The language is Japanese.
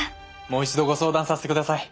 もう一度ご相談させてください。